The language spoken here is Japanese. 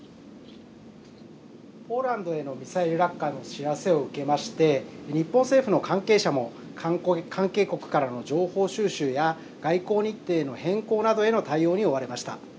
ポーランドへのミサイル落下の知らせを受けまして日本政府の関係者も関係国からの情報収集や外交日程の変更などへの対応に追われました。